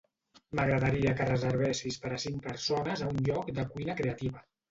M'agradaria que reservessis per a cinc persones a un lloc de cuina creativa.